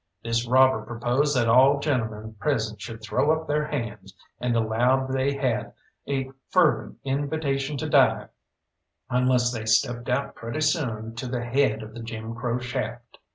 This robber proposed that all gentlemen present should throw up their hands, and allowed they had a fervent invitation to die unless they stepped out pretty soon to the head of the Jim Crow shaft.